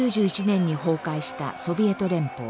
１９９１年に崩壊したソビエト連邦。